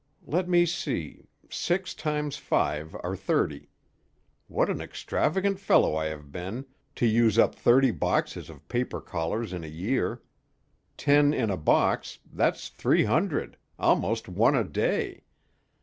Let me see six times five are thirty. What an extravagant fellow I have been, to use up thirty boxes of paper collars in a year! Ten in a box, that's three hundred almost one a day!